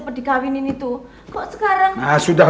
pasti itu beres semuanya